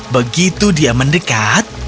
begitu dia mendekat